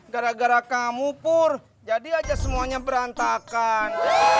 gara gara kamu pur jadi aja semuanya berantakan